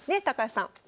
高橋さん。